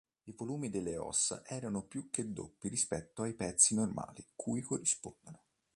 I volumi delle ossa erano più che doppi rispetto ai pezzi normali cui corrispondono.